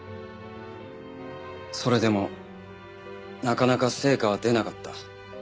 それでもなかなか成果は出なかった。